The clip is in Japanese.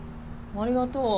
ありがとう。